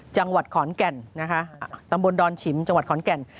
จังหวัดขอนแก่นนะคะตำบลดอนฉิมจังหวัดขอนแก่น